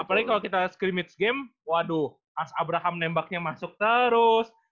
apalagi kalo kita scrimmage game waduh as abraham nembaknya masuk terus